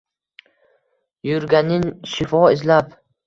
Yurganin shifo izlab.